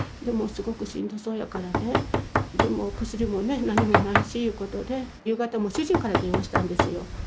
すごくしんどそうやからねでもお薬も何もないしゆうことで夕方もう主人から電話したんですよ。